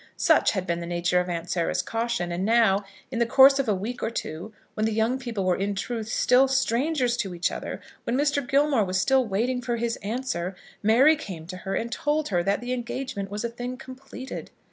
Such had been the nature of Aunt Sarah's caution; and now, in the course of a week or two, when the young people were in truth still strangers to each other, when Mr. Gilmore was still waiting for his answer, Mary came to her, and told her that the engagement was a thing completed!